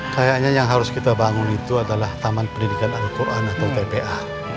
kayaknya yang harus kita bangun itu adalah taman pendidikan al quran atau tpa